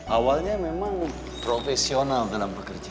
awalnya memang profesional dalam bekerja